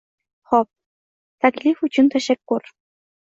“Xop. Taklif uchun tashakkur.”